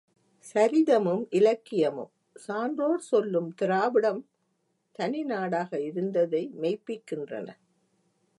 சரிதமும், இலக்கியமும், சான்றோர் சொல்லும் திராவிடம் தனிநாடாக இருந்ததை மெய்ப்பிக்கின்றன.